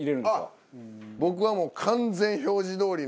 僕はもう完全表示どおりの。